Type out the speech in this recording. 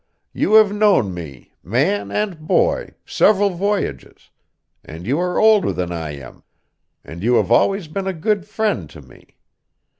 You have known me, man and boy, several voyages; and you are older than I am; and you have always been a good friend to me.